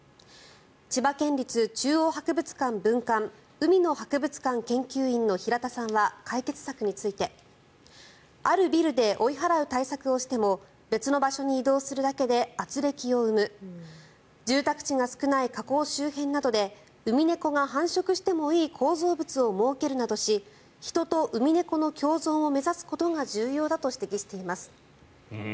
千葉県立中央博物館分館海の博物館研究員の平田さんは解決策についてあるビルで追い払う対策をしても別の場所に移動するだけであつれきを生む住宅地が少ない河口周辺などでウミネコが繁殖してもいい構造物を設けるなどし人とウミネコの共存を目指すことが重要だと指摘しています。